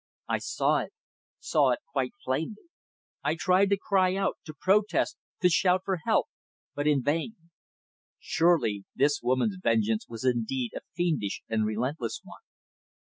I saw it saw it quite plainly. I tried to cry out to protest, to shout for help. But in vain. Surely this woman's vengeance was indeed a fiendish and relentless one.